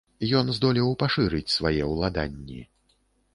Ён здолеў пашырыць свае ўладанні.